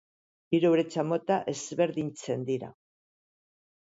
Hiru bretxa mota ezberdintzen dira.